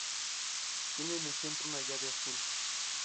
Tiene en el centro una llave azul.